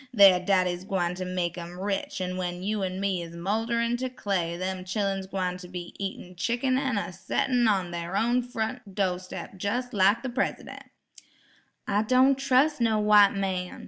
Thar daddy's gwine ter make 'em rich an' when you an' me is moulderin' ter clay dem chillun's gwine ter be eatin' chickun an' a settin' on thar own front do' steps jes' like de Presidun'." "I don' trus' no' white man.